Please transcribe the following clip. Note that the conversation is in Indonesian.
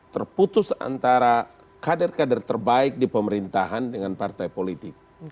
terputus antara kader kader terbaik di pemerintahan dengan partai politik